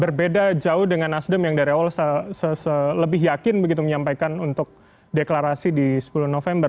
berbeda jauh dengan nasdem yang dari awal selebih yakin begitu menyampaikan untuk deklarasi di sepuluh november